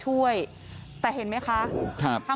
สวัสดีครับทุกคน